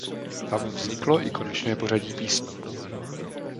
Tam vzniklo i konečné pořadí písní.